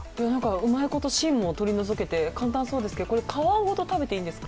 うまいこと芯も取り除けて簡単そうですけど、皮ごと食べていいんですか。